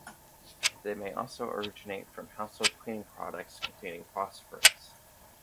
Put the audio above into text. They may also originate from household cleaning products containing phosphorus.